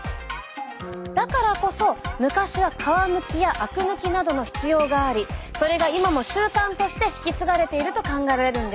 だからこそ昔は皮むきやあく抜きなどの必要がありそれが今も習慣として引き継がれていると考えられるんです。